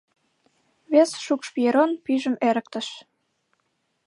Вес шукш Пьерон пӱйжым эрыктыш.